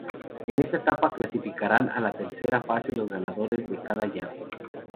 En esta etapa clasificarán a la tercera fase los ganadores de cada llave.